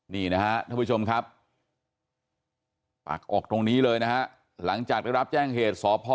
นี่นะครับพี่ชมครับปากอกตรงนี้เลยนะหลังจากได้รับแจ้งเหตุ